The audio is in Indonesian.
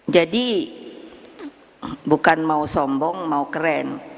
jadi bukan mau sombong mau keren